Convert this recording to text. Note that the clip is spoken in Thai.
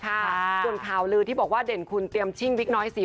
กรุงข่าวลืนที่บอกว่าเด่นคุณเตรียมชิงวิทยีนทร์น้อยสี